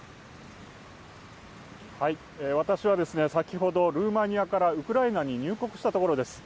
私は先ほどルーマニアからウクライナに入国したところです。